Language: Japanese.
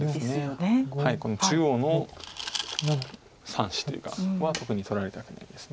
この中央の３子というかは特に取られたくないです。